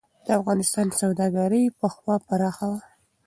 د افغانستان سوداګري پخوا پراخه وه.